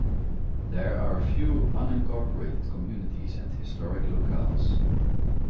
There are a few unincorporated communities and historic locales.